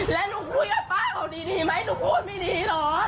แล้วหนูคุยกับป้าเขาดีไหมหนูพูดไม่ดีเหรอ